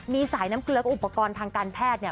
มีสายน้ำเกลือก็อุปกรณ์ทางการแพทย์เนี่ย